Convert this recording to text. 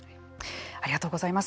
ありがとうございます。